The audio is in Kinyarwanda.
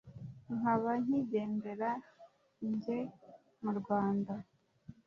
Nkaba nkigendera jye mu Rwanda.